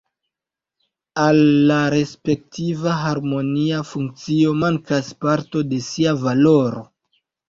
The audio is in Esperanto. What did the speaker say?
Al la respektiva harmonia funkcio mankas parto de sia valoro.